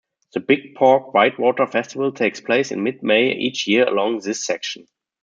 The Bigfork Whitewater Festival takes place in mid-May each year along this section.